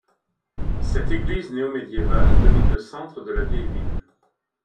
Cette église néo-médiévale, domine le centre de la vieille ville.